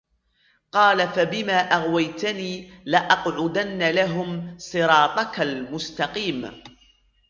قَالَ فَبِمَا أَغْوَيْتَنِي لَأَقْعُدَنَّ لَهُمْ صِرَاطَكَ الْمُسْتَقِيمَ